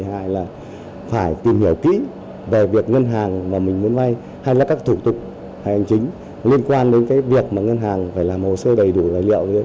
hay là phải tìm hiểu kỹ về việc ngân hàng mà mình muốn vay hay là các thủ tục hay là hành chính liên quan đến cái việc mà ngân hàng phải làm hồ sơ đầy đủ và liệu